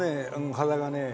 肌がね